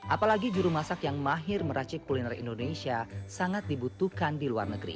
apalagi juru masak yang mahir meracik kuliner indonesia sangat dibutuhkan di luar negeri